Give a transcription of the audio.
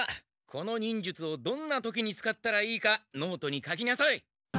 この忍術をどんな時に使ったらいいかノートに書きなさい。